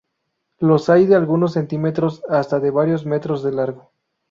Los hay de algunos centímetros hasta de varios metros de largo.